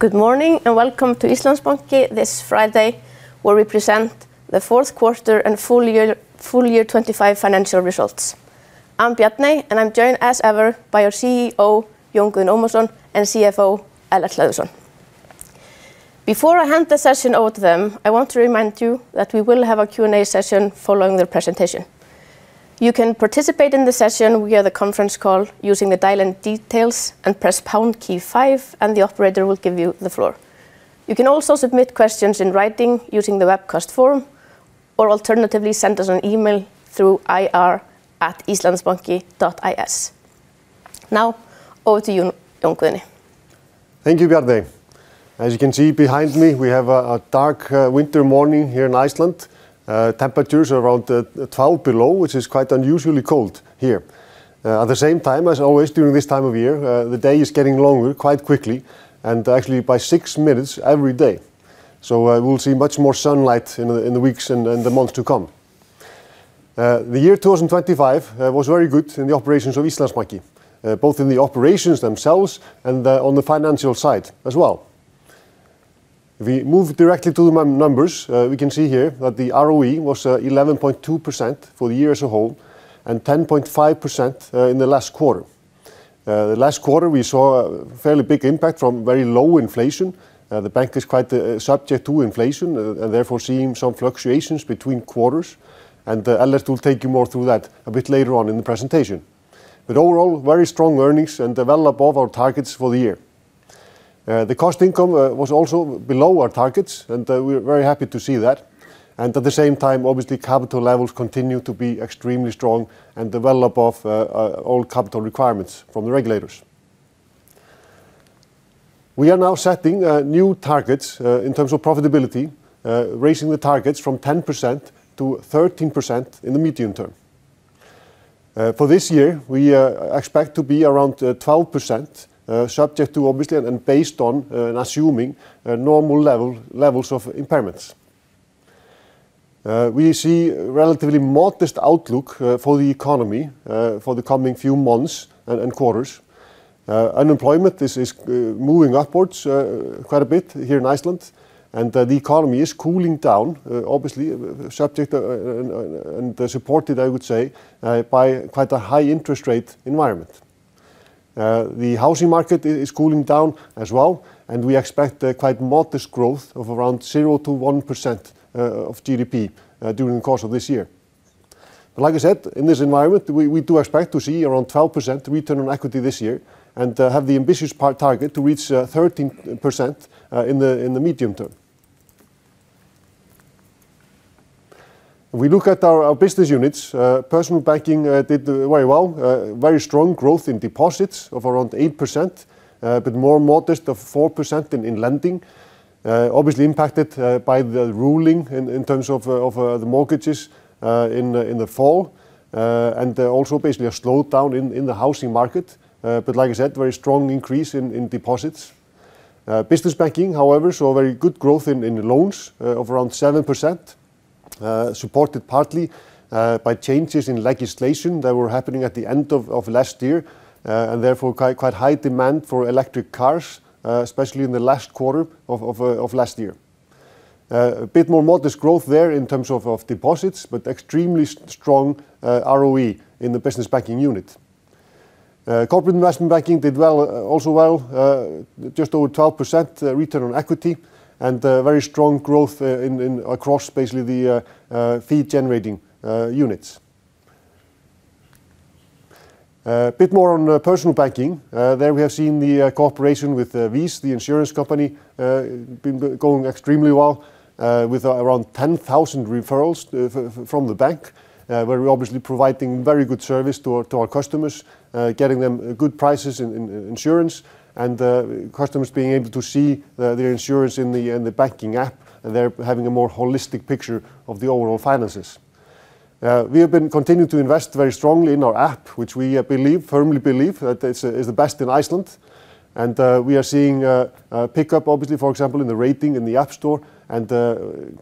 Good morning, and welcome to Íslandsbanki this Friday, where we present the Fourth Quarter and Full Year, full year 2025 financial results. I'm Bjarney, and I'm joined, as ever, by our CEO, Jón Guðni Ómarsson, and CFO, Ellert Hlöðversson. Before I hand the session over to them, I want to remind you that we will have a Q&A session following the presentation. You can participate in the session via the conference call using the dial-in details and press pound key five, and the operator will give you the floor. You can also submit questions in writing using the webcast form, or alternatively, send us an email through ir@islandsbanki.is. Now, over to you, Jón Guðni. Thank you, Bjarney. As you can see behind me, we have a dark winter morning here in Iceland. Temperatures around 12 below, which is quite unusually cold here. At the same time, as always, during this time of year, the day is getting longer quite quickly, and actually by six minutes every day. So I will see much more sunlight in the weeks and the months to come. The year 2025 was very good in the operations of Íslandsbanki, both in the operations themselves and on the financial side as well. If we move directly to the numbers, we can see here that the ROE was 11.2% for the year as a whole, and 10.5% in the last quarter. The last quarter, we saw a fairly big impact from very low inflation. The bank is quite subject to inflation, and therefore seeing some fluctuations between quarters, and Ellert will take you more through that a bit later on in the presentation. But overall, very strong earnings and well above our targets for the year. The cost income was also below our targets, and we're very happy to see that. And at the same time, obviously, capital levels continue to be extremely strong and well above all capital requirements from the regulators. We are now setting new targets in terms of profitability, raising the targets from 10%-13% in the medium term. For this year, we expect to be around 12%, subject to, obviously, and based on, assuming normal levels of impairments. We see relatively modest outlook for the economy for the coming few months and quarters. Unemployment is moving upwards quite a bit here in Iceland, and the economy is cooling down, obviously, subject and supported, I would say, by quite a high interest rate environment. The housing market is cooling down as well, and we expect quite modest growth of around 0%-1% of GDP during the course of this year. Like I said, in this environment, we, we do expect to see around 12% return on equity this year, and, have the ambitious par target to reach, 13%, in the, in the medium term. If we look at our, our business units, personal banking, did very well. Very strong growth in deposits of around 8%, but more modest of 4% in, in lending. Obviously impacted, by the ruling in, in terms of, of, the mortgages, in the, in the fall, and also basically a slowdown in, in the housing market. But like I said, very strong increase in, in deposits. Business banking, however, saw very good growth in loans of around 7%, supported partly by changes in legislation that were happening at the end of last year, and therefore quite high demand for electric cars, especially in the last quarter of last year. A bit more modest growth there in terms of deposits, but extremely strong ROE in the business banking unit. Corporate investment banking did well, also well, just over 12% return on equity, and very strong growth in across basically the fee-generating units. A bit more on personal banking. There we have seen the cooperation with VÍS, the insurance company, been going extremely well, with around 10,000 referrals from the bank, where we're obviously providing very good service to our customers, getting them good prices in insurance, and customers being able to see their insurance in the banking app, and they're having a more holistic picture of the overall finances. We have been continuing to invest very strongly in our app, which we firmly believe is the best in Iceland, and we are seeing a pickup, obviously, for example, in the rating in the App Store, and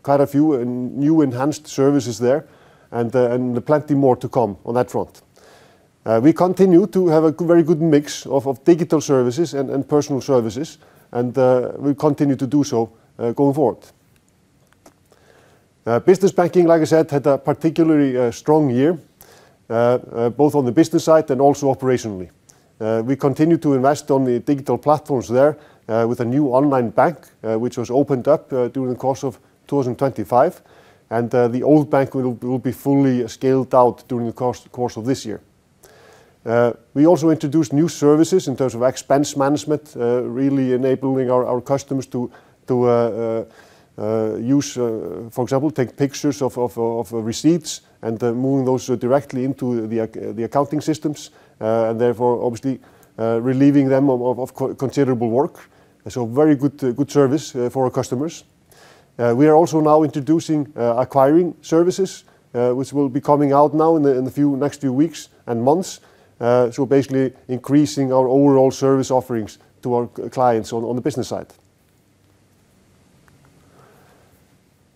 quite a few new enhanced services there, and plenty more to come on that front. We continue to have a very good mix of digital services and personal services, and we continue to do so going forward. Business banking, like I said, had a particularly strong year both on the business side and also operationally. We continue to invest on the digital platforms there with a new online bank, which was opened up during the course of 2025, and the old bank will be fully scaled out during the course of this year. We also introduced new services in terms of expense management, really enabling our customers to use, for example, take pictures of receipts and moving those directly into the accounting systems, and therefore, obviously, relieving them of considerable work. So very good, good service, for our customers. We are also now introducing, acquiring services, which will be coming out now in the next few weeks and months. So basically increasing our overall service offerings to our clients on the business side.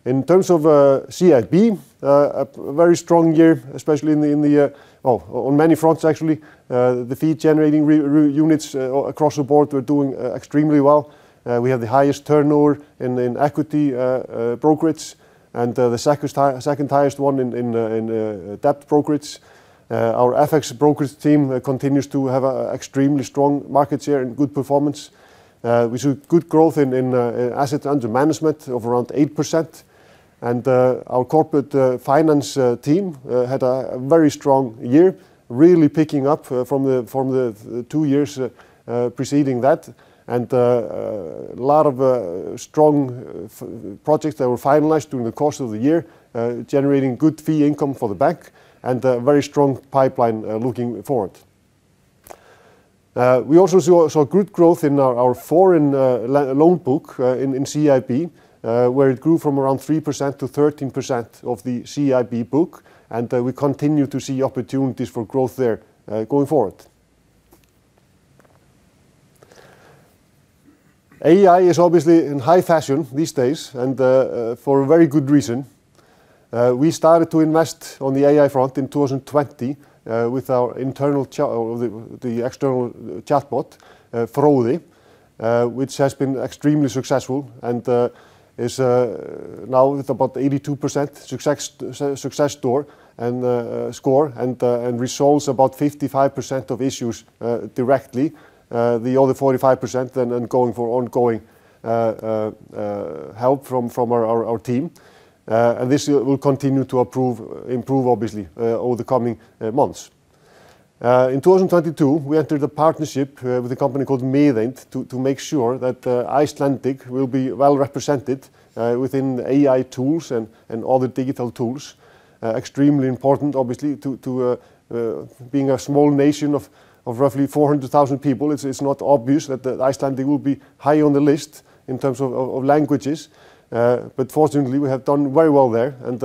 In terms of CIB, a very strong year, especially in the, on many fronts, actually. The fee generating units, across the board were doing, extremely well. We have the highest turnover in equity brokerages, and the second highest one in debt brokerages. Our FX brokerage team continues to have a extremely strong market share and good performance. We saw good growth in asset under management of around 8%. Our corporate finance team had a very strong year, really picking up from the two years preceding that. A lot of strong projects that were finalized during the course of the year, generating good fee income for the bank, and very strong pipeline looking forward. We also saw good growth in our foreign loan book in CIB, where it grew from around 3%-13% of the CIB book, and we continue to see opportunities for growth there going forward. AI is obviously in high fashion these days, and for a very good reason. We started to invest on the AI front in 2020 with our internal chat or the external chatbot, Fróði, which has been extremely successful and is now with about 82% success score and resolves about 55% of issues directly. The other 45% then going for ongoing help from our team. And this will continue to improve, obviously, over the coming months. In 2022, we entered a partnership with a company called Miðeind to make sure that Icelandic will be well represented within the AI tools and other digital tools. Extremely important, obviously, to being a small nation of roughly 400,000 people. It's not obvious that the Icelandic will be high on the list in terms of languages, but fortunately, we have done very well there, and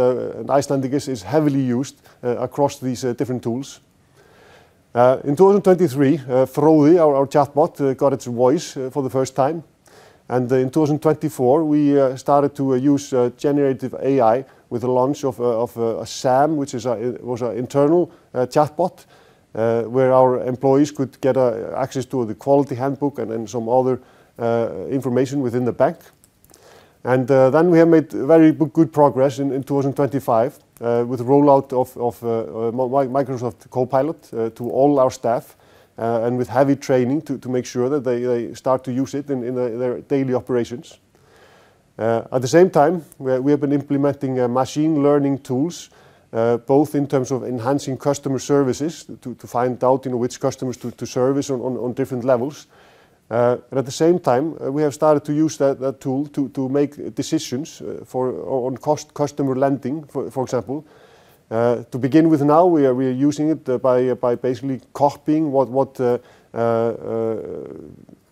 Icelandic is heavily used across these different tools. In 2023, Froði, our chatbot, got its voice for the first time. In 2024, we started to use generative AI with the launch of Sam, which was an internal chatbot where our employees could get access to the quality handbook and then some other information within the bank. Then we have made very good progress in 2025 with the rollout of Microsoft Copilot to all our staff and with heavy training to make sure that they start to use it in their daily operations. At the same time, we have been implementing machine learning tools both in terms of enhancing customer services, to find out which customers to service on different levels. But at the same time, we have started to use that tool to make decisions on customer lending, for example. To begin with now, we are using it by basically copying what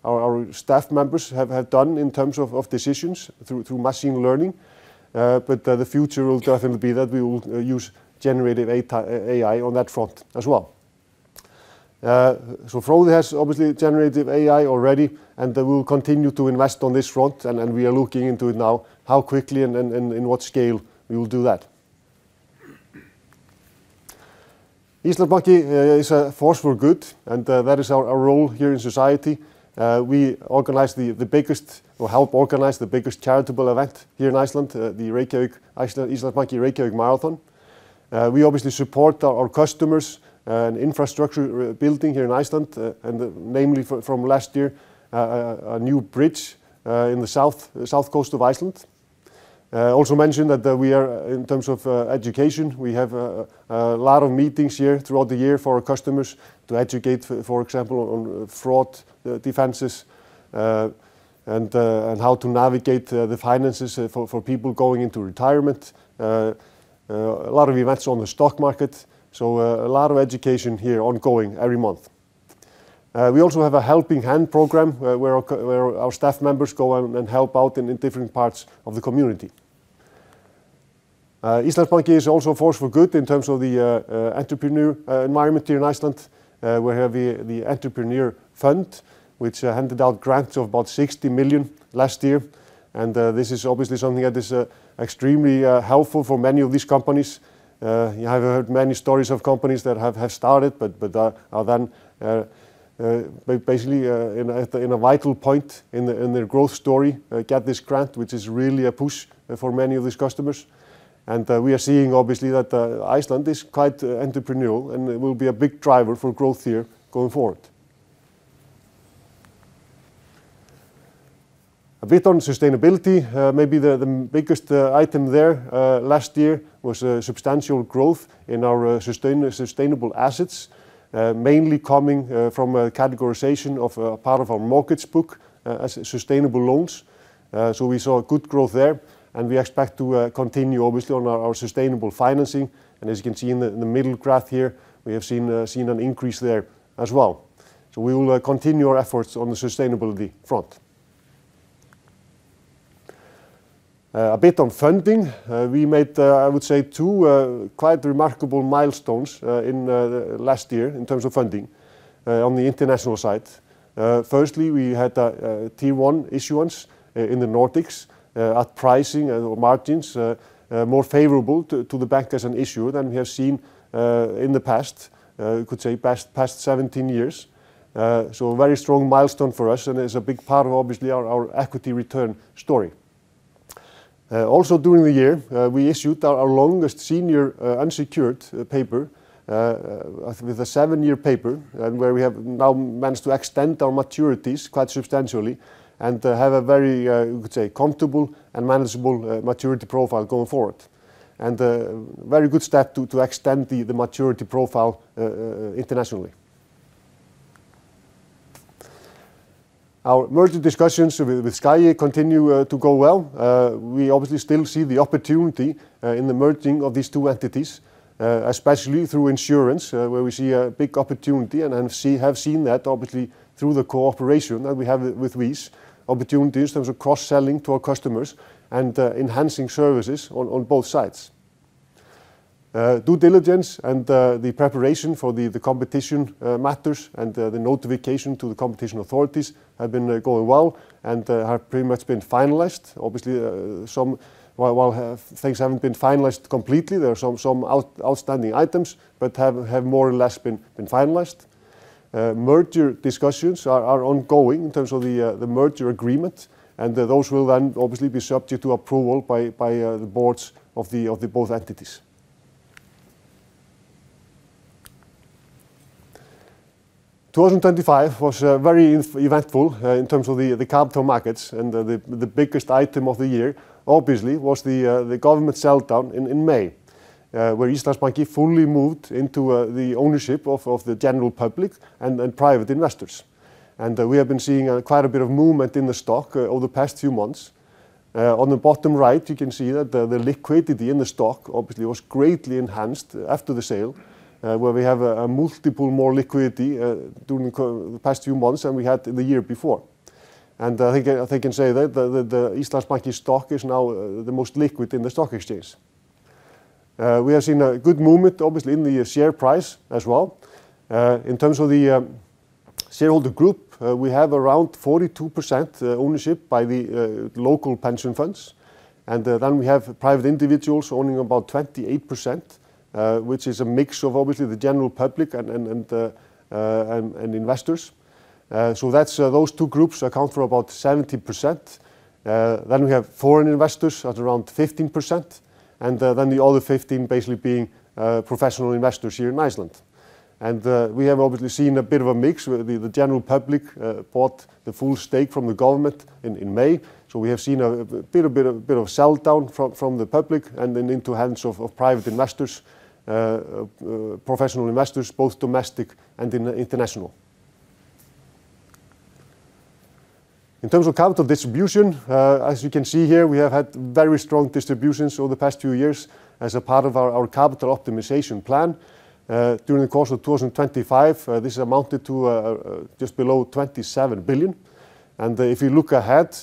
our staff members have done in terms of decisions through machine learning. But the future will definitely be that we will use generative AI on that front as well. So Fróði has obviously generative AI already, and then we will continue to invest on this front, and we are looking into it now, how quickly and in what scale we will do that. Íslandsbanki is a force for good, and that is our role here in society. We organize the biggest, or help organize the biggest charitable event here in Iceland, the Reykjavík Íslandsbanki Reykjavík Marathon. We obviously support our customers and infrastructure building here in Iceland, and namely from last year, a new bridge in the south coast of Iceland. Also mention that, in terms of education, we have a lot of meetings here throughout the year for our customers to educate, for example, on fraud defenses, and and how to navigate the finances for people going into retirement. A lot of events on the stock market, so a lot of education here ongoing every month. We also have a Helping Hand program, where our staff members go out and help out in the different parts of the community. Íslandsbanki is also a force for good in terms of the entrepreneur environment here in Iceland. We have the Entrepreneur Fund, which handed out grants of about 60 million last year, and this is obviously something that is extremely helpful for many of these companies. You have heard many stories of companies that have started, but are then basically in a vital point in their growth story, get this grant, which is really a push for many of these customers. And we are seeing, obviously, that Iceland is quite entrepreneurial, and it will be a big driver for growth here going forward. A bit on sustainability. Maybe the biggest item there last year was a substantial growth in our sustainable assets, mainly coming from a categorization of a part of our mortgage book as sustainable loans. So we saw a good growth there, and we expect to continue, obviously, on our sustainable financing. As you can see in the middle graph here, we have seen an increase there as well. So we will continue our efforts on the sustainability front. A bit on funding. We made, I would say, two quite remarkable milestones in last year in terms of funding on the international side. Firstly, we had a T1 issuance in the Nordics at pricing and margins more favorable to the bank as an issuer than we have seen in the past, you could say past 17 years. So a very strong milestone for us, and it's a big part of, obviously, our equity return story. Also during the year, we issued our longest senior unsecured paper with a seven year paper, and where we have now managed to extend our maturities quite substantially and have a very, you could say, comfortable and manageable maturity profile going forward. And very good step to extend the maturity profile internationally. Our merger discussions with Sjóvá continue to go well. We obviously still see the opportunity in the merging of these two entities, especially through insurance, where we see a big opportunity, and then have seen that obviously through the cooperation that we have with VÍS. Opportunities in terms of cross-selling to our customers and enhancing services on both sides. Due diligence and the preparation for the competition matters and the notification to the competition authorities have been going well and have pretty much been finalized. Obviously, some... well, while things haven't been finalized completely, there are some outstanding items, but have more or less been finalized. Merger discussions are ongoing in terms of the merger agreement, and those will then obviously be subject to approval by the boards of the both entities. 2025 was very eventful in terms of the capital markets, and the biggest item of the year, obviously, was the government sell-down in May, where Íslandsbanki fully moved into the ownership of the general public and private investors. We have been seeing quite a bit of movement in the stock over the past few months. On the bottom right, you can see that the liquidity in the stock obviously was greatly enhanced after the sale, where we have a multiple more liquidity during the past few months than we had in the year before. And I think you can say that the Íslandsbanki stock is now the most liquid in the stock exchange. We have seen a good movement, obviously, in the share price as well. In terms of the shareholder group, we have around 42% ownership by the local pension funds, and then we have private individuals owning about 28%, which is a mix of obviously the general public and investors. So that's those two groups account for about 70%. Then we have foreign investors at around 15%, and then the other 15 basically being professional investors here in Iceland. And we have obviously seen a bit of a mix with the general public bought the full stake from the government in May. So we have seen a bit of sell-down from the public and then into hands of private investors, professional investors, both domestic and international. In terms of capital distribution, as you can see here, we have had very strong distributions over the past few years as a part of our, our capital optimization plan. During the course of 2025, this amounted to, just below 27 billion. And, if you look ahead,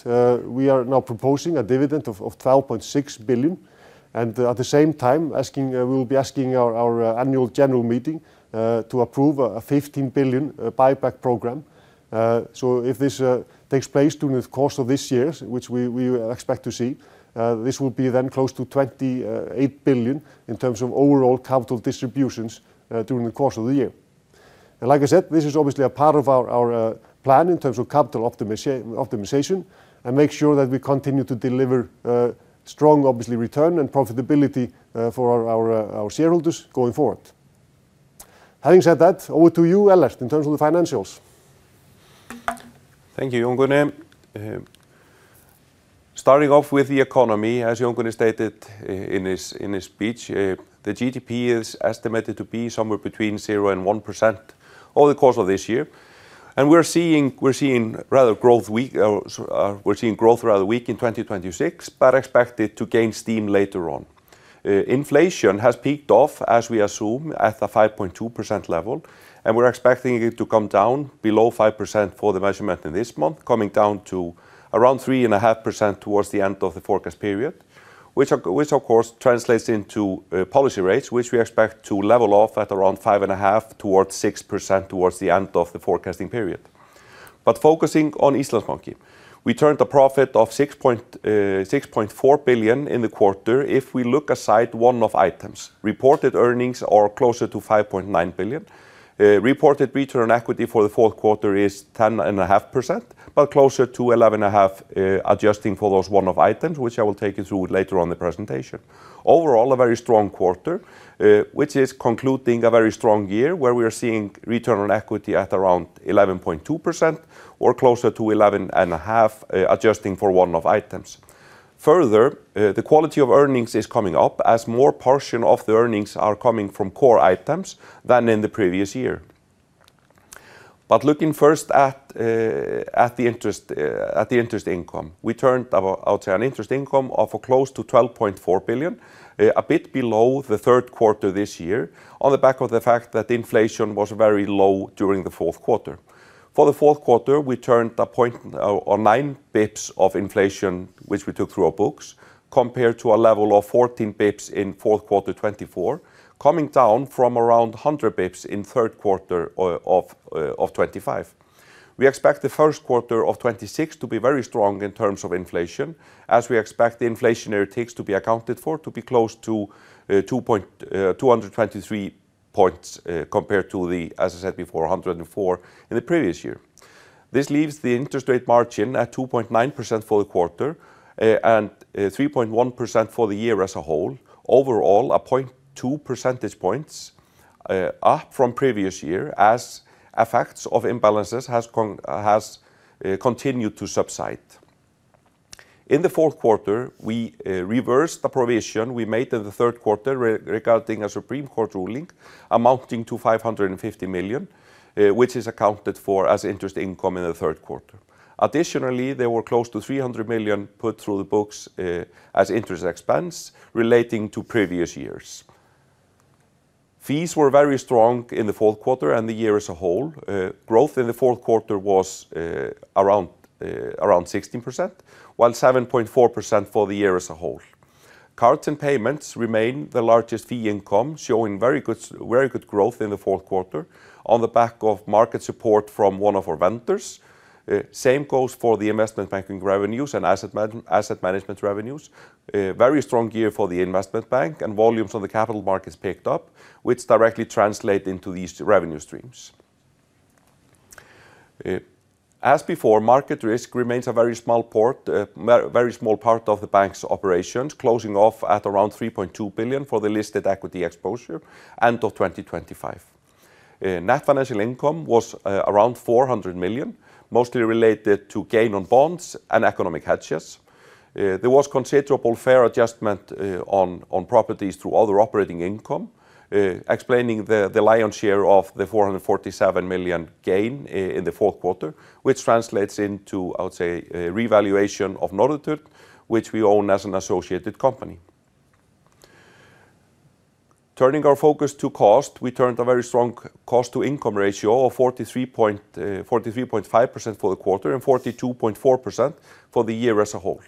we are now proposing a dividend of, of 12.6 billion, and, at the same time, asking, we will be asking our, our, annual general meeting, to approve a, a 15 billion, buyback program. So if this, takes place during the course of this year, which we, we expect to see, this will be then close to 28 billion in terms of overall capital distributions, during the course of the year. Like I said, this is obviously a part of our plan in terms of capital optimization, and make sure that we continue to deliver strong, obviously, return and profitability for our shareholders going forward. Having said that, over to you, Ellert, in terms of the financials. Thank you, Jón Guðni. Starting off with the economy, as Jón Guðni stated in his speech, the GDP is estimated to be somewhere between 0% and 1% over the course of this year. We're seeing growth rather weak in 2026, but expected to gain steam later on. Inflation has peaked off, as we assume, at the 5.2% level, and we're expecting it to come down below 5% for the measurement in this month, coming down to around 3.5% towards the end of the forecast period. Which of course translates into policy rates, which we expect to level off at around 5.5%-6% towards the end of the forecasting period. But focusing on Íslandsbanki, we turned a profit of 6.4 billion in the quarter, if we look aside one-off items. Reported earnings are closer to 5.9 billion. Reported return on equity for the fourth quarter is 10.5%, but closer to 11.5%, adjusting for those one-off items, which I will take you through later on in the presentation. Overall, a very strong quarter, which is concluding a very strong year, where we are seeing return on equity at around 11.2% or closer to 11.5%, adjusting for one-off items. Further, the quality of earnings is coming up, as more portion of the earnings are coming from core items than in the previous year. But looking first at the interest income, we turned, I would say, an interest income of close to 12.4 billion, a bit below the third quarter this year, on the back of the fact that inflation was very low during the fourth quarter. For the fourth quarter, we turned 1.9 basis points of inflation, which we took through our books, compared to a level of 14 basis points in fourth quarter 2024, coming down from around 100 basis points in third quarter of 2025. We expect the first quarter of 2026 to be very strong in terms of inflation, as we expect the inflationary takes to be accounted for to be close to 2.223 points, compared to the, as I said before, 104 in the previous year. This leaves the interest rate margin at 2.9% for the quarter, and 3.1% for the year as a whole. Overall, 0.2 percentage points up from previous year as effects of imbalances has continued to subside. In the fourth quarter, we reversed the provision we made in the third quarter regarding a Supreme Court ruling, amounting to 550 million, which is accounted for as interest income in the third quarter. Additionally, there were close to 300 million put through the books as interest expense relating to previous years. Fees were very strong in the fourth quarter and the year as a whole. Growth in the fourth quarter was around 16%, while 7.4% for the year as a whole. Cards and payments remain the largest fee income, showing very good, very good growth in the fourth quarter on the back of market support from one of our vendors. Same goes for the investment banking revenues and asset management revenues. Very strong year for the investment bank, and volumes on the capital markets picked up, which directly translate into these revenue streams. As before, market risk remains a very small part of the bank's operations, closing off at around 3.2 billion for the listed equity exposure end of 2025. Net financial income was around 400 million, mostly related to gain on bonds and economic hedges. There was considerable fair value adjustment on properties through other operating income, explaining the lion's share of the 447 million gain in the fourth quarter, which translates into, I would say, a revaluation of Norðurturn, which we own as an associated company. Turning our focus to cost, we turned a very strong cost-to-income ratio of 43.5% for the quarter and 42.4% for the year as a whole.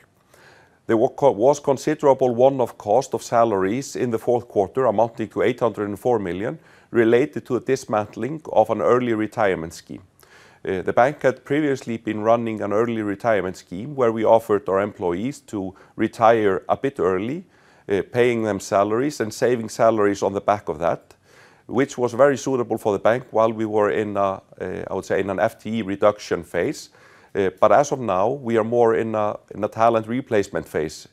There was considerable one-off cost of salaries in the fourth quarter, amounting to 804 million, related to a dismantling of an early retirement scheme. The bank had previously been running an early retirement scheme, where we offered our employees to retire a bit early, paying them salaries and saving salaries on the back of that, which was very suitable for the bank while we were in a, I would say, in an FTE reduction phase. But as of now, we are more in a, in a talent replacement phase,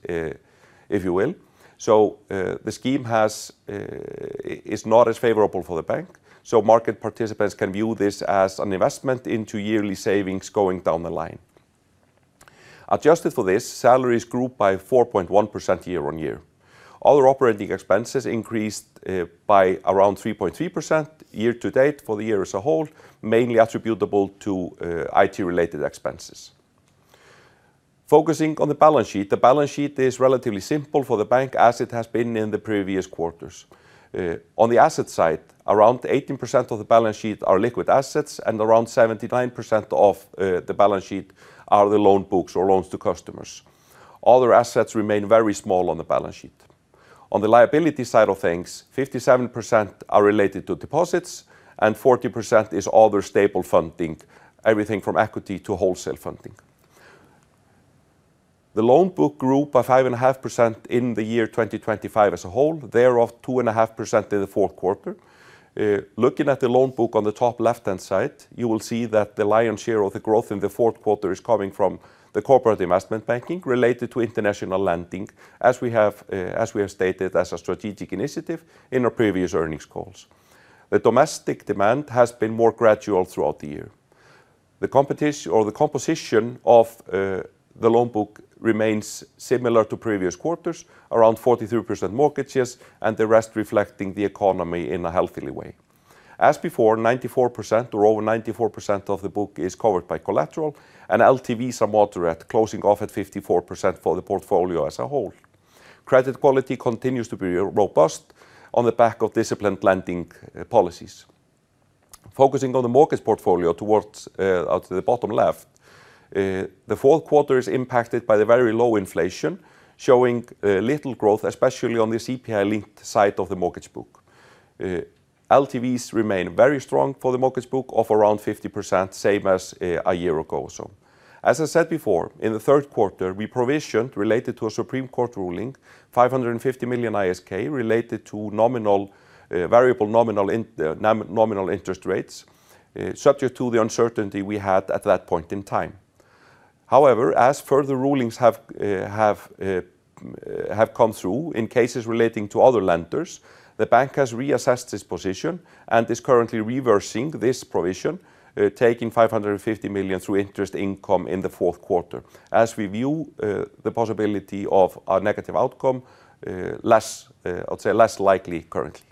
if you will. So, the scheme has... is not as favorable for the bank, so market participants can view this as an investment into yearly savings going down the line. Adjusted for this, salaries grew by 4.1% year-on-year. Other operating expenses increased by around 3.3% year-to-date for the year as a whole, mainly attributable to IT-related expenses. Focusing on the balance sheet, the balance sheet is relatively simple for the bank, as it has been in the previous quarters. On the asset side, around 18% of the balance sheet are liquid assets, and around 79% of the balance sheet are the loan books or loans to customers. Other assets remain very small on the balance sheet. On the liability side of things, 57% are related to deposits, and 40% is other stable funding, everything from equity to wholesale funding. The loan book grew by 5.5% in the year 2025 as a whole, thereof, 2.5% in the fourth quarter. Looking at the loan book on the top left-hand side, you will see that the lion's share of the growth in the fourth quarter is coming from the corporate investment banking related to international lending, as we have, as we have stated as a strategic initiative in our previous earnings calls. The domestic demand has been more gradual throughout the year. The competition - or the composition of, the loan book remains similar to previous quarters, around 43% mortgages, and the rest reflecting the economy in a healthy way. As before, 94% or over 94% of the book is covered by collateral, and LTVs are moderate, closing off at 54% for the portfolio as a whole. Credit quality continues to be robust on the back of disciplined lending policies. Focusing on the mortgage portfolio towards, to the bottom left, the fourth quarter is impacted by the very low inflation, showing little growth, especially on the CPI-linked side of the mortgage book. LTVs remain very strong for the mortgage book of around 50%, same as a year ago or so. As I said before, in the third quarter, we provisioned related to a Supreme Court ruling, 550 million ISK related to nominal, variable nominal interest rates, subject to the uncertainty we had at that point in time. However, as further rulings have come through in cases relating to other lenders, the bank has reassessed its position and is currently reversing this provision, taking 550 million through interest income in the fourth quarter, as we view the possibility of a negative outcome less, I would say, less likely currently.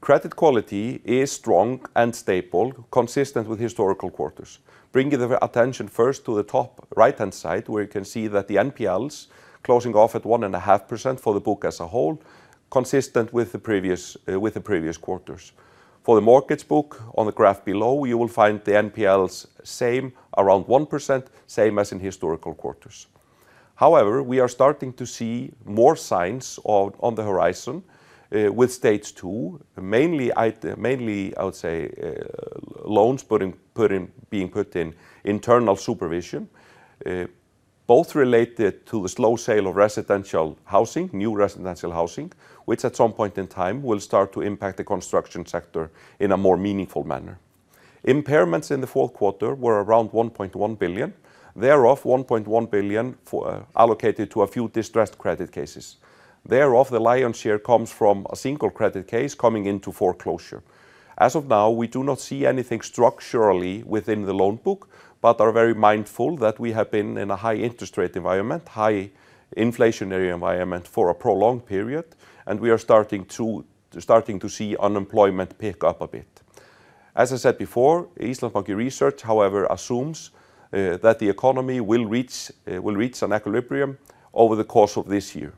Credit quality is strong and stable, consistent with historical quarters. Bringing the attention first to the top right-hand side, where you can see that the NPLs closing off at 1.5% for the book as a whole, consistent with the previous quarters. For the mortgage book on the graph below, you will find the NPLs same, around 1%, same as in historical quarters. However, we are starting to see more signs on, on the horizon, with stage two, mainly mainly, I would say, loans putting, put in, being put in internal supervision. Both related to the slow sale of residential housing, new residential housing, which at some point in time will start to impact the construction sector in a more meaningful manner. Impairments in the fourth quarter were around 1.1 billion, thereof, 1.1 billion for allocated to a few distressed credit cases. Thereof, the lion's share comes from a single credit case coming into foreclosure. As of now, we do not see anything structurally within the loan book, but are very mindful that we have been in a high interest rate environment, high inflationary environment for a prolonged period, and we are starting to, starting to see unemployment pick up a bit. As I said before, Íslandsbanki Research, however, assumes that the economy will reach an equilibrium over the course of this year.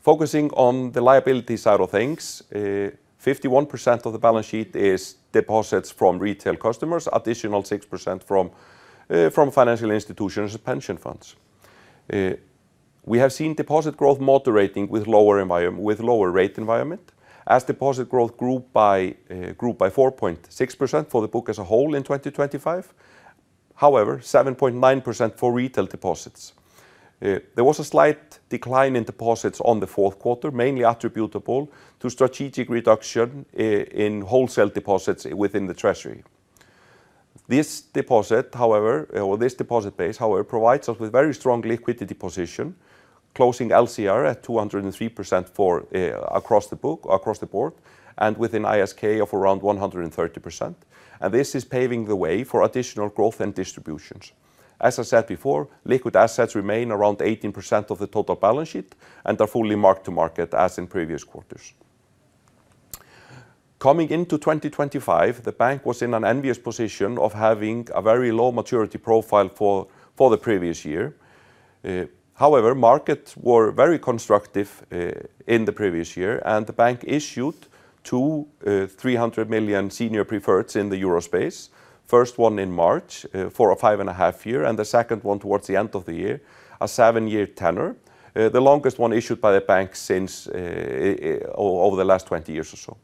Focusing on the liability side of things, 51% of the balance sheet is deposits from retail customers, additional 6% from financial institutions and pension funds. We have seen deposit growth moderating with lower rate environment, as deposit growth grew by 4.6% for the book as a whole in 2025. However, 7.9% for retail deposits. There was a slight decline in deposits on the fourth quarter, mainly attributable to strategic reduction in wholesale deposits within the treasury. This deposit, however, or this deposit base, however, provides us with very strong liquidity position, closing LCR at 203% for across the book, across the board, and within ISK of around 130%, and this is paving the way for additional growth and distributions. As I said before, liquid assets remain around 18% of the total balance sheet and are fully marked to market as in previous quarters. Coming into 2025, the bank was in an envious position of having a very low maturity profile for the previous year. However, markets were very constructive in the previous year, and the bank issued two three hundred million senior preferreds in the Euro space. First one in March, for a five and a half year, and the second one towards the end of the year, a seven-year tenor, the longest one issued by the bank since over the last 20 years or so.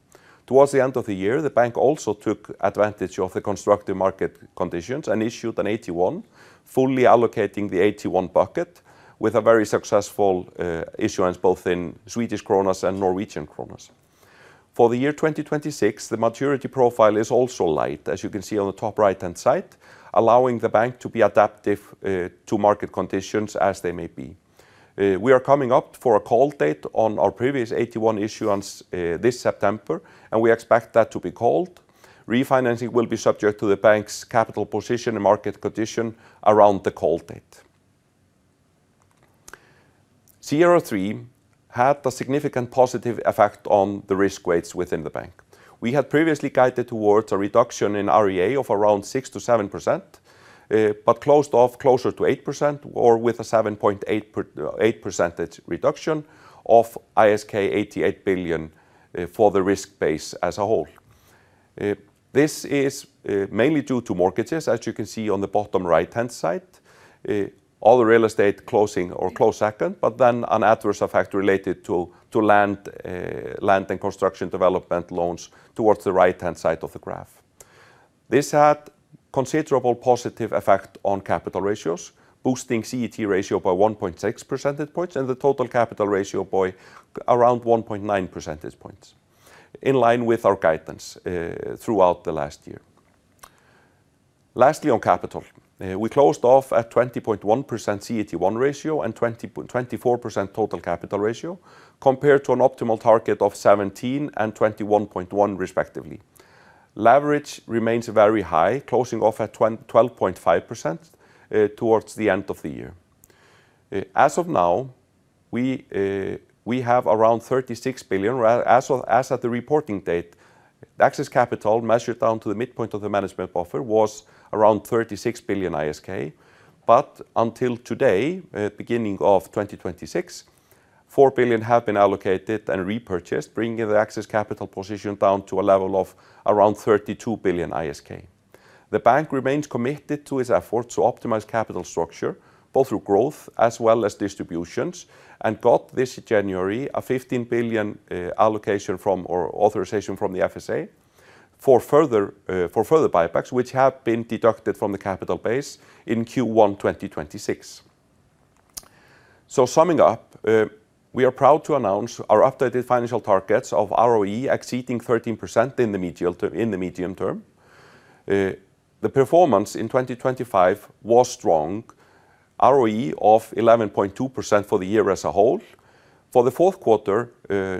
Towards the end of the year, the bank also took advantage of the constructive market conditions and issued an AT1, fully allocating the AT1 bucket with a very successful issuance, both in Swedish kronor and Norwegian kroner. For the year 2026, the maturity profile is also light, as you can see on the top right-hand side, allowing the bank to be adaptive to market conditions as they may be. We are coming up for a call date on our previous AT1 issuance this September, and we expect that to be called. Refinancing will be subject to the bank's capital position and market condition around the call date. CRR3 had a significant positive effect on the risk weights within the bank. We had previously guided towards a reduction in REA of around 6%-7%, but closed off closer to 8% or with a 7.8%-8% reduction of ISK 88 billion for the risk base as a whole. This is mainly due to mortgages, as you can see on the bottom right-hand side. All the real estate closing or closed second, but then an adverse effect related to land and construction development loans towards the right-hand side of the graph. This had considerable positive effect on capital ratios, boosting CET1 ratio by 1.6 percentage points, and the total capital ratio by around 1.9 percentage points, in line with our guidance, throughout the last year. Lastly, on capital, we closed off at 20.1% CET1 ratio and 24% total capital ratio, compared to an optimal target of 17% and 21.1%, respectively. Leverage remains very high, closing off at 12.5%, towards the end of the year. As of now, we have around 36 billion, as of, as at the reporting date. The excess capital, measured down to the midpoint of the management buffer, was around 36 billion ISK, but until today, at beginning of 2026, 4 billion have been allocated and repurchased, bringing the excess capital position down to a level of around 32 billion ISK. The bank remains committed to its efforts to optimize capital structure, both through growth as well as distributions, and got this January, a 15 billion allocation from or authorization from the FSA for further for further buybacks, which have been deducted from the capital base in Q1 2026. So summing up, we are proud to announce our updated financial targets of ROE exceeding 13% in the medium term, in the medium term. The performance in 2025 was strong. ROE of 11.2% for the year as a whole. For the fourth quarter,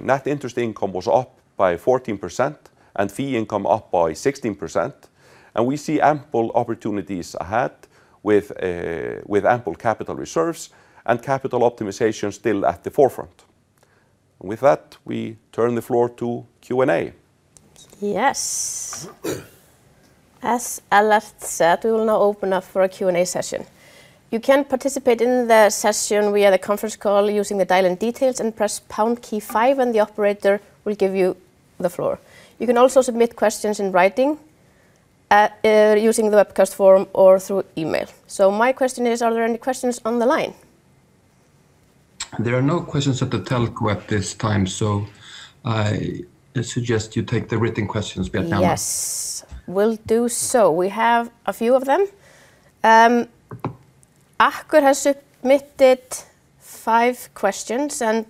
net interest income was up by 14% and fee income up by 16%, and we see ample opportunities ahead with, with ample capital reserves and capital optimization still at the forefront. With that, we turn the floor to Q&A. Yes. As Ellert said, we will now open up for a Q&A session. You can participate in the session via the conference call using the dial-in details and press pound key five, and the operator will give you the floor. You can also submit questions in writing using the webcast form or through email. So my question is, are there any questions on the line?... there are no questions at the telco at this time, so I suggest you take the written questions, Bjarney. Yes, will do so. We have a few of them. Akur has submitted five questions, and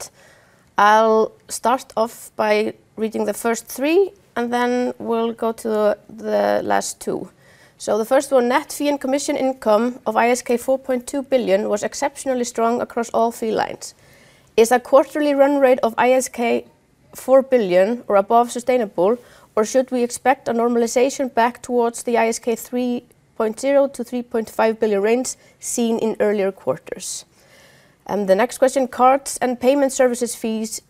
I'll start off by reading the first three, and then we'll go to the last two. So the first one, net fee and commission income of ISK 4.2 billion was exceptionally strong across all three lines. Is a quarterly run rate of ISK 4 billion or above sustainable, or should we expect a normalization back towards the 3.0 billion-3.5 billion ISK range seen in earlier quarters? And the next question, cards and payment services fees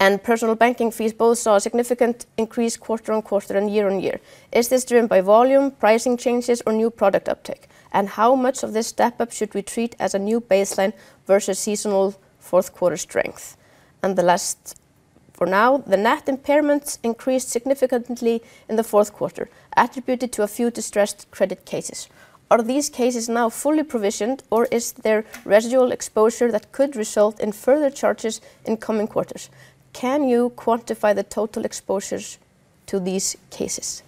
and personal banking fees both saw a significant increase quarter-on-quarter and year-on-year. Is this driven by volume, pricing changes, or new product uptake? And how much of this step up should we treat as a new baseline versus seasonal fourth quarter strength? The last for now, the net impairments increased significantly in the fourth quarter, attributed to a few distressed credit cases. Are these cases now fully provisioned, or is there residual exposure that could result in further charges in coming quarters? Can you quantify the total exposures to these cases?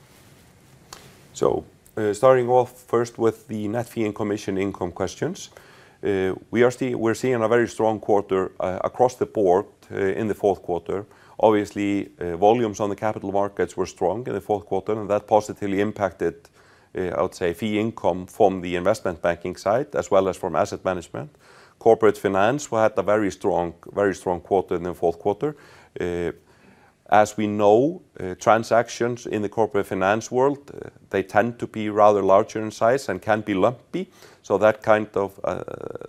So, starting off first with the net fee and commission income questions. We're seeing a very strong quarter across the board in the fourth quarter. Obviously, volumes on the capital markets were strong in the fourth quarter, and that positively impacted, I would say, fee income from the investment banking side, as well as from asset management. Corporate finance, we had a very strong, very strong quarter in the fourth quarter. As we know, transactions in the corporate finance world, they tend to be rather larger in size and can be lumpy, so that kind of,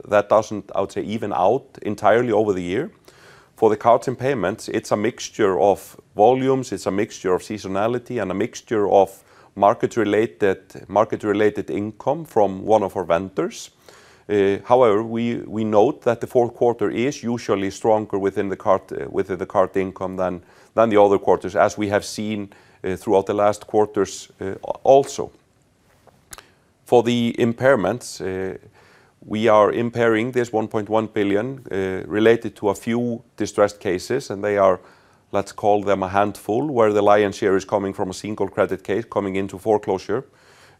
that doesn't, I would say, even out entirely over the year. For the cards and payments, it's a mixture of volumes, it's a mixture of seasonality, and a mixture of market-related, market-related income from one of our vendors. However, we note that the fourth quarter is usually stronger within the card, within the card income than the other quarters, as we have seen throughout the last quarters, also. For the impairments, we are impairing 1.1 billion related to a few distressed cases, and they are, let's call them a handful, where the lion's share is coming from a single credit case coming into foreclosure.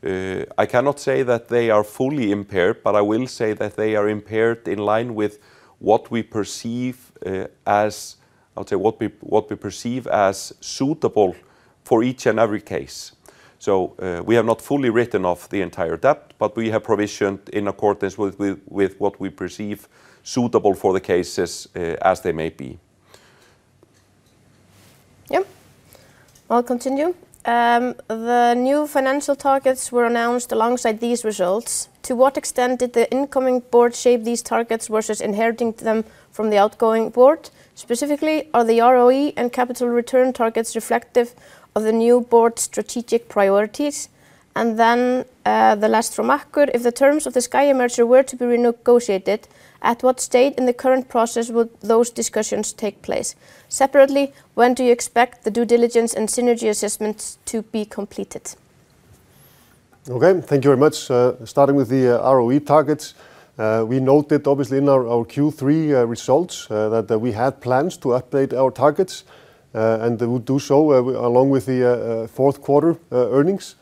I cannot say that they are fully impaired, but I will say that they are impaired in line with what we perceive as... I would say, what we perceive as suitable for each and every case. So, we have not fully written off the entire debt, but we have provisioned in accordance with what we perceive suitable for the cases, as they may be. Yeah. I'll continue. The new financial targets were announced alongside these results. To what extent did the incoming board shape these targets versus inheriting them from the outgoing board? Specifically, are the ROE and capital return targets reflective of the new board's strategic priorities? And then, the last from Akur, if the terms of the Sjóvá merger were to be renegotiated, at what stage in the current process would those discussions take place? Separately, when do you expect the due diligence and synergy assessments to be completed? Okay, thank you very much. Starting with the ROE targets, we noted, obviously, in our Q3 results, that we had plans to update our targets, and we would do so along with the fourth quarter earnings.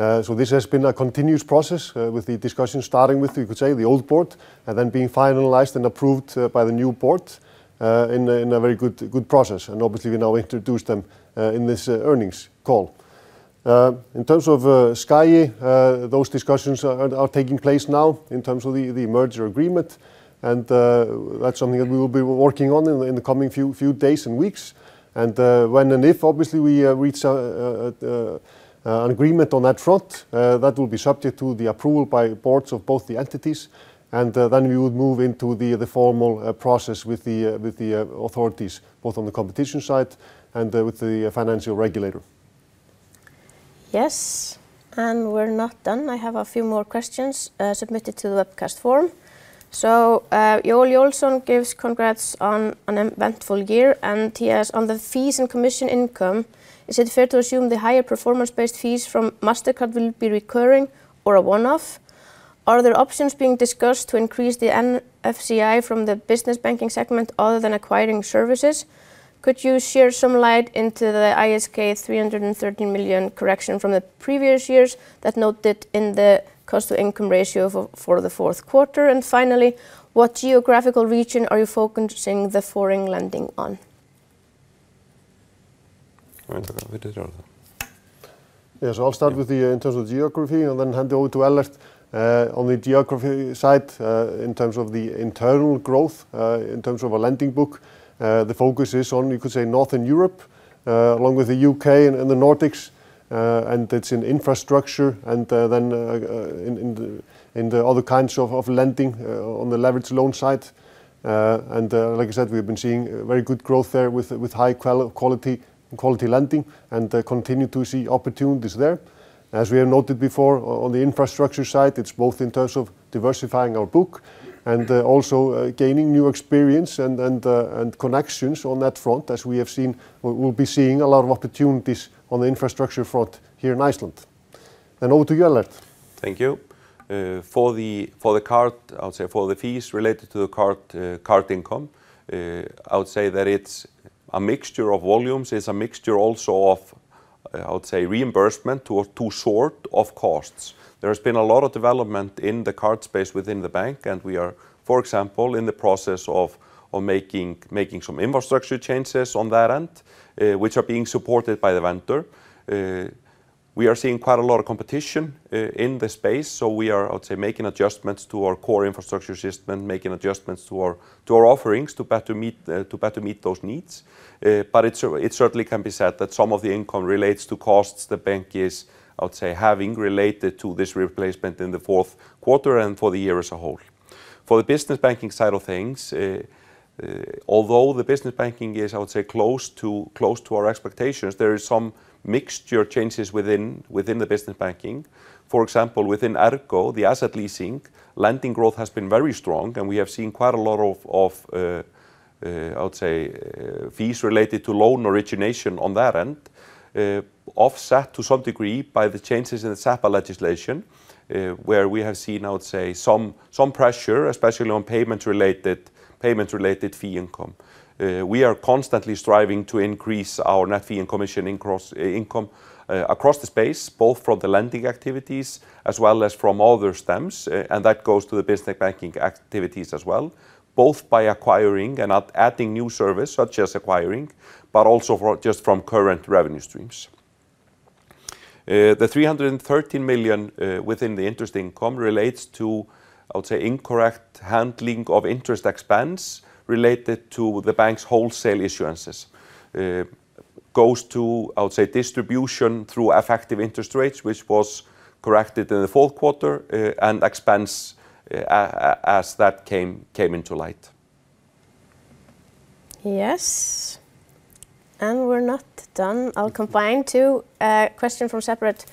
So this has been a continuous process, with the discussion starting with, you could say, the old board, and then being finalized and approved by the new board in a very good process. And obviously, we now introduce them in this earnings call. In terms of Sjóvá, those discussions are taking place now in terms of the merger agreement. And that's something that we will be working on in the coming few days and weeks. When and if, obviously, we reach an agreement on that front, that will be subject to the approval by boards of both the entities, and then we would move into the formal process with the authorities, both on the competition side and with the financial regulator. Yes, and we're not done. I have a few more questions submitted to the webcast form. So, Joel Olsson gives congrats on an eventful year, and he asks, "On the fees and commission income, is it fair to assume the higher performance-based fees from Mastercard will be recurring or a one-off? Are there options being discussed to increase the NFCI from the business banking segment other than acquiring services? Could you share some light into the ISK 330 million correction from the previous years that noted in the cost to income ratio for the fourth quarter?" And finally, "What geographical region are you focusing the foreign lending on? Yes, I'll start with the, in terms of geography, and then hand over to Ellert. On the geography side, in terms of the internal growth, in terms of a lending book, the focus is on, you could say, Northern Europe, along with the UK and the Nordics, and it's in infrastructure and then in the other kinds of lending, on the leveraged loan side. And like I said, we've been seeing very good growth there with high quality lending and continue to see opportunities there. As we have noted before, on the infrastructure side, it's both in terms of diversifying our book and also gaining new experience and connections on that front, as we have seen... We'll be seeing a lot of opportunities on the infrastructure front here in Iceland... And over to you, Ellert. Thank you. For the card, I would say for the fees related to the card, card income, I would say that it's a mixture of volumes. It's a mixture also of, I would say, reimbursement to sort of costs. There has been a lot of development in the card space within the bank, and we are, for example, in the process of making some infrastructure changes on that end, which are being supported by the vendor. We are seeing quite a lot of competition in the space, so we are, I would say, making adjustments to our core infrastructure system and making adjustments to our offerings to better meet those needs. But it certainly can be said that some of the income relates to costs the bank is, I would say, having related to this replacement in the fourth quarter and for the year as a whole. For the business banking side of things, although the business banking is, I would say, close to, close to our expectations, there is some mixture changes within, within the business banking. For example, within Ergo, the asset leasing, lending growth has been very strong, and we have seen quite a lot of, of, I would say, fees related to loan origination on that end. Offset to some degree by the changes in the SEPA legislation, where we have seen, I would say, some, some pressure, especially on payment-related, payment-related fee income. We are constantly striving to increase our net fee and commission income across the space, both from the lending activities as well as from other streams, and that goes to the business banking activities as well, both by acquiring and adding new service, such as acquiring, but also just from current revenue streams. The 313 million within the interest income relates to, I would say, incorrect handling of interest expense related to the bank's wholesale issuances. It goes to, I would say, distribution through effective interest rates, which was corrected in the fourth quarter, and expense as that came into light. Yes, and we're not done. I'll combine two questions from separate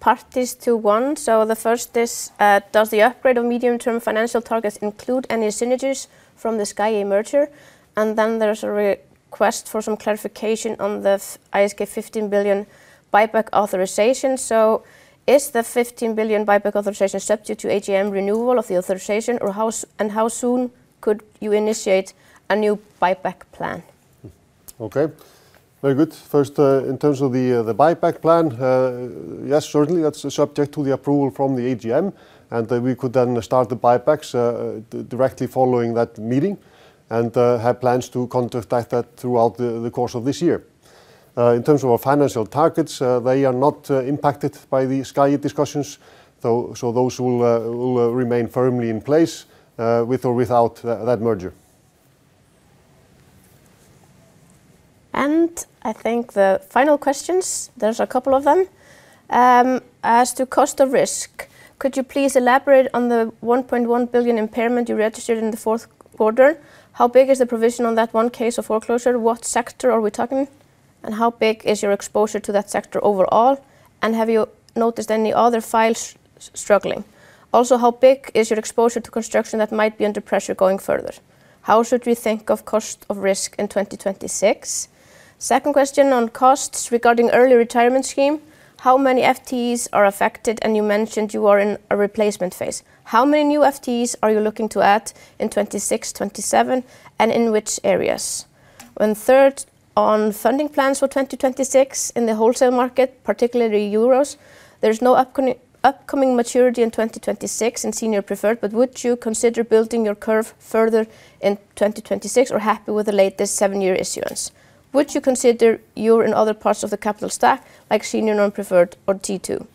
parties to one. So the first is: Does the upgrade of medium-term financial targets include any synergies from the Sjóvá merger? And then there's a request for some clarification on the ISK 15 billion buyback authorization. So is the 15 billion buyback authorization subject to AGM renewal of the authorization, or how—and how soon could you initiate a new buyback plan? Okay, very good. First, in terms of the buyback plan, yes, certainly, that's subject to the approval from the AGM, and then we could then start the buybacks, directly following that meeting, and have plans to counteract that throughout the course of this year. In terms of our financial targets, they are not impacted by the Sjóvá discussions, though, so those will remain firmly in place, with or without that merger. And I think the final questions, there's a couple of them. As to cost of risk, could you please elaborate on the 1.1 billion impairment you registered in the fourth quarter? How big is the provision on that one case of foreclosure? What sector are we talking, and how big is your exposure to that sector overall? And have you noticed any other files struggling? Also, how big is your exposure to construction that might be under pressure going further? How should we think of cost of risk in 2026? Second question on costs regarding early retirement scheme: How many FTEs are affected, and you mentioned you are in a replacement phase. How many new FTEs are you looking to add in 2026, 2027, and in which areas? And third, on funding plans for 2026 in the wholesale market, particularly euros, there's no upcoming maturity in 2026 in senior preferred, but would you consider building your curve further in 2026 or happy with the latest seven year issuance? Would you consider you in other parts of the capital stack, like senior non-preferred or T2?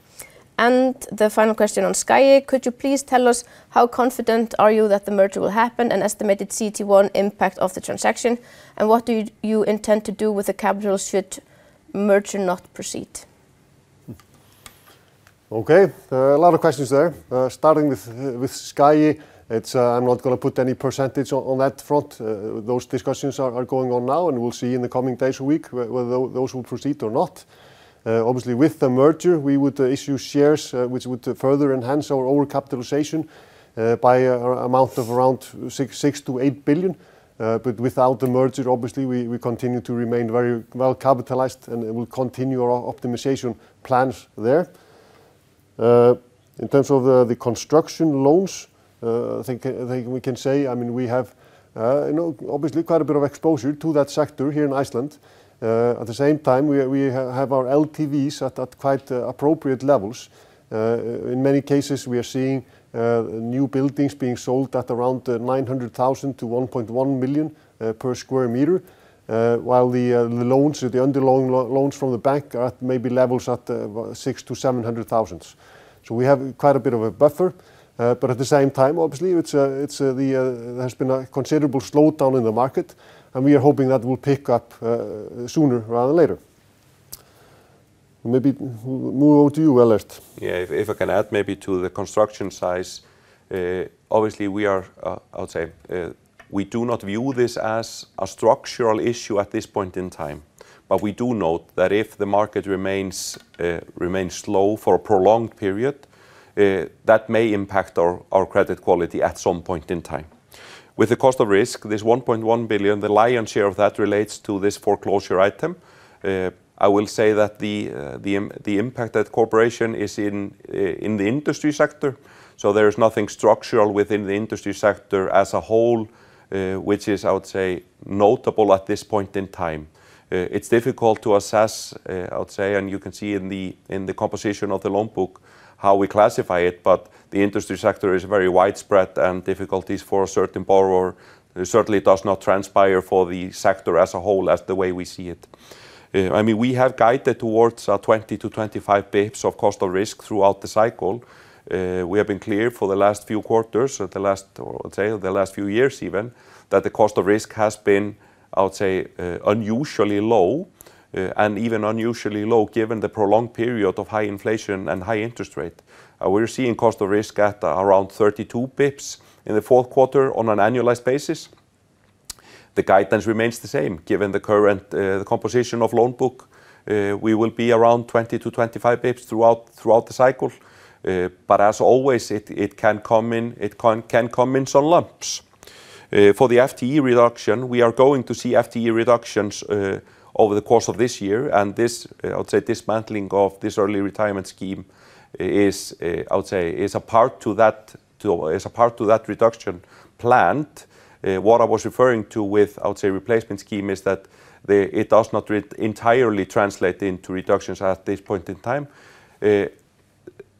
And the final question on Sjóvá: Could you please tell us how confident are you that the merger will happen, an estimated CET1 impact of the transaction, and what do you intend to do with the capital should merger not proceed? Okay, a lot of questions there. Starting with Sjóvá, it's, I'm not gonna put any percentage on that front. Those discussions are going on now, and we'll see in the coming days a week whether those will proceed or not. Obviously, with the merger, we would issue shares, which would further enhance our overall capitalization, by an amount of around 6 billion-8 billion. But without the merger, obviously, we continue to remain very well capitalized, and we will continue our optimization plans there. In terms of the construction loans, I think we can say, I mean, we have, you know, obviously, quite a bit of exposure to that sector here in Iceland. At the same time, we have our LTVs at quite appropriate levels. In many cases, we are seeing new buildings being sold at around 900,000-1.1 million per sq m. While the loans, the underlying loans from the bank are at maybe levels at 600,000-700,000. So we have quite a bit of a buffer, but at the same time, obviously, it's the... There's been a considerable slowdown in the market, and we are hoping that will pick up sooner rather than later. Maybe move over to you, Ellert. Yeah, if I can add maybe to the construction size. Obviously, we are, I would say, we do not view this as a structural issue at this point in time. But we do note that if the market remains slow for a prolonged period, that may impact our credit quality at some point in time. With the cost of risk, this 1.1 billion, the lion's share of that relates to this foreclosure item. I will say that the impact that corporation is in the industry sector, so there is nothing structural within the industry sector as a whole, which is, I would say, notable at this point in time. It's difficult to assess, I would say, and you can see in the, in the composition of the loan book, how we classify it, but the industry sector is very widespread, and difficulties for a certain borrower, certainly does not transpire for the sector as a whole, as the way we see it. I mean, we have guided towards a 20-25 basis points of cost of risk throughout the cycle. We have been clear for the last few quarters, or the last, or I'd say, the last few years even, that the cost of risk has been, I would say, unusually low, and even unusually low, given the prolonged period of high inflation and high interest rate. We're seeing cost of risk at around 32 basis points in the fourth quarter on an annualized basis. The guidance remains the same, given the current, the composition of loan book. We will be around 20-25 basis points throughout the cycle. But as always, it can come in some lumps. For the FTE reduction, we are going to see FTE reductions over the course of this year, and this, I would say, dismantling of this early retirement scheme is, I would say, a part to that reduction plan. What I was referring to with, I would say, replacement scheme, is that the It does not entirely translate into reductions at this point in time.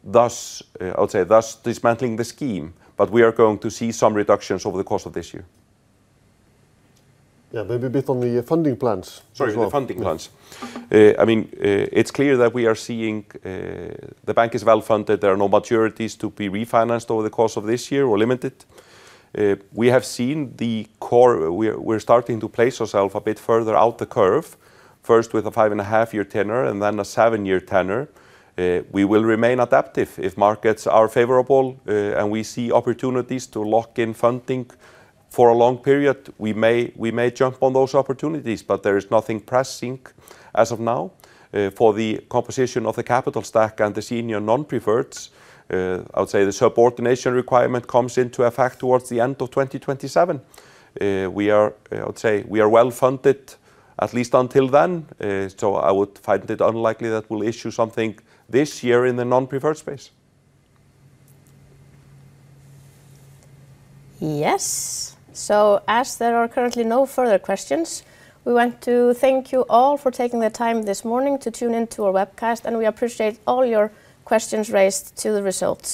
Thus, I would say, thus dismantling the scheme, but we are going to see some reductions over the course of this year. Yeah, maybe a bit on the funding plans as well. Sorry, the funding plans. Yeah. I mean, it's clear that we are seeing... The bank is well-funded. There are no maturities to be refinanced over the course of this year or limited. We have seen the core. We're starting to place ourself a bit further out the curve, first with a five and a half year tenor and then a seven year tenor. We will remain adaptive. If markets are favorable, and we see opportunities to lock in funding for a long period, we may, we may jump on those opportunities, but there is nothing pressing as of now. For the composition of the capital stack and the senior non-preferreds, I would say the subordination requirement comes into effect towards the end of 2027. We are, I would say, we are well-funded at least until then, so I would find it unlikely that we'll issue something this year in the non-preferred space. Yes. As there are currently no further questions, we want to thank you all for taking the time this morning to tune in to our webcast, and we appreciate all your questions raised to the results.